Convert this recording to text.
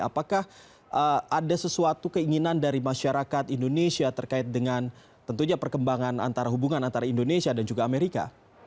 apakah ada sesuatu keinginan dari masyarakat indonesia terkait dengan tentunya perkembangan antara hubungan antara indonesia dan juga amerika